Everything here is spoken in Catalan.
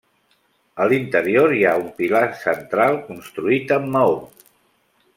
A l'interior hi ha un pilar central construït amb maó.